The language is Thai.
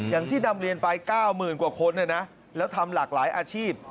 อย่างที่นำเรียนไป๙๐๐กว่าคนแล้วทำหลากหลายอาชีพ